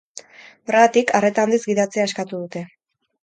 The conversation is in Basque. Horregatik, arreta handiz gidatzea eskatu dute.